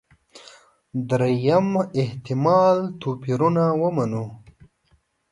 درېیم احتمال توپيرونه ومنو.